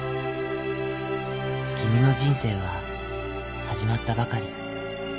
君の人生は始まったばかり。